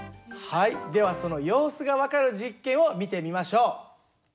ではその様子が分かる実験を見てみましょう。